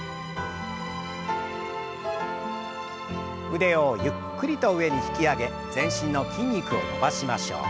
腕をゆっくりと上に引き上げ全身の筋肉を伸ばしましょう。